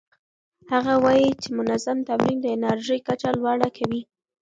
هغه وايي چې منظم تمرین د انرژۍ کچه لوړه کوي.